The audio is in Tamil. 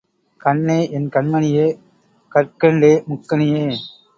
கண்ணே என் கண்மணியே கற்கண்டே முக்கனியே!